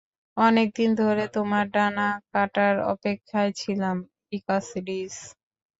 অনেক দিন ধরে তোমার ডানা কাটার অপেক্ষায় ছিলাম, ইকারিস!